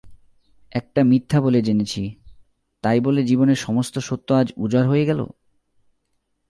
একটা মিথ্যা বলে জেনেছি, তাই বলে জীবনের সমস্ত সত্য আজ উজাড় হয়ে গেল?